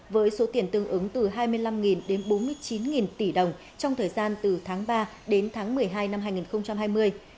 với số tiền tương ứng từ hai mươi năm đến bốn mươi chín tỷ đồng trong thời gian từ tháng ba đến tháng một mươi hai năm hai nghìn hai mươi